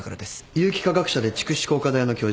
有機化学者で竹紫工科大の教授。